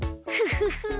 フフフ！